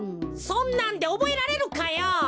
そんなんでおぼえられるかよ。